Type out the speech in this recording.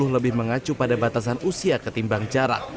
lebih mengacu pada batasan usia ketimbang jarak